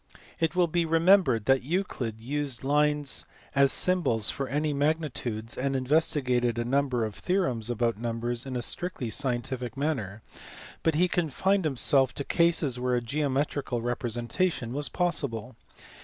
It will be remembered that Euclid used lines as symbols for any magnitudes, and investigated a number of theorems about numbers in a strictly scientific manner, but he confined him self to cases where a geometrical representation was possible.